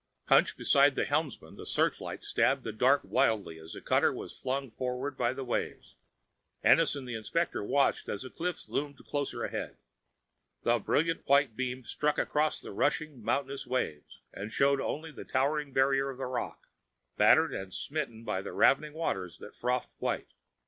Hunched beside the helmsman, the searchlight stabbing the dark wildly as the cutter was flung forward by the waves, Ennis and the inspector watched as the cliffs loomed closer ahead. The brilliant white beam struck across the rushing, mountainous waves and showed only the towering barriers of rock, battered and smitten by the raving waters that frothed white.